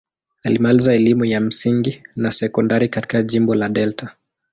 Alimaliza elimu ya msingi na sekondari katika jimbo la Delta.